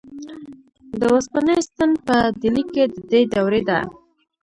د اوسپنې ستن په ډیلي کې د دې دورې ده.